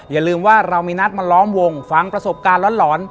อย่าลืมว่าเรามีนัดมาล้อมวงฟังประสบการณ์หลอน